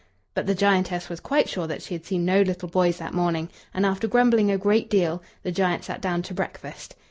But the giantess was quite sure that she had seen no little boys that morning; and after grumbling a great deal, the giant sat down to breakfast.